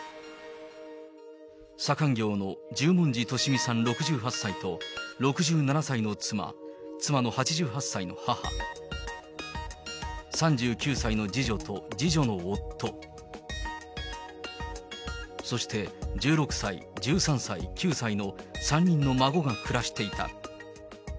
左官業の十文字利美さん６８歳と、６７歳の妻、妻の８８歳の母、３９歳の次女と次女の夫、そして１６歳、１３歳、９歳の３人の孫が暮らしていた。